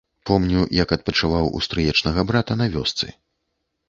Помню, як адпачываў у стрыечнага брата на вёсцы.